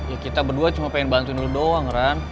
ya kita berdua cuma pengen bantuin lu doang ran